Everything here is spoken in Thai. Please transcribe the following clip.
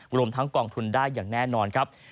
รวมทั้งกองทุนได้อย่างแน่นอนครับ